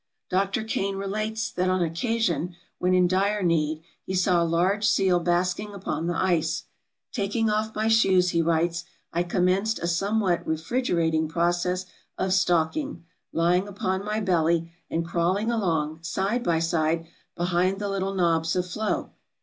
Dr. Kane relates that on occasion, when in dire need, he saw a large seal basking upon the ice: "Taking off my shoes," he writes, "I commenced a somewhat refriger ating process of stalking, lying upon my belly, and crawling along, step by step, behind the little knobs of floe.